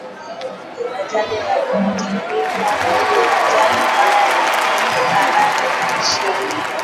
ajali ya titanic ni ajali mbaya ya karne ya ishirini